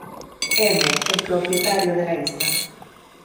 M, el propietario de la isla.